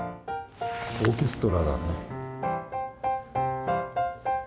オーケストラだね。